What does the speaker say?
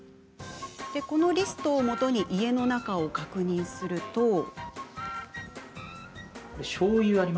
リストをもとに家の中を確認すると。